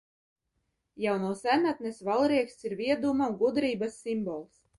Jau no senatnes valrieksts ir vieduma un gudrības simbols.